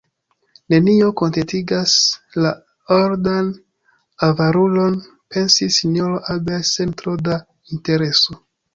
Nenio kontentigas la oldan avarulon, pensis Sinjoro Abel sen tro da intereso.